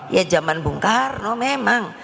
ya zaman bung karno memang